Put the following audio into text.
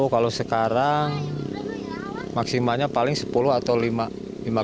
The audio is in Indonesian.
kalau sekarang maksimalnya paling sepuluh atau lima kali